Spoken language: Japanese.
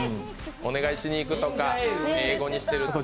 お願いしていくとか英語にしているとか。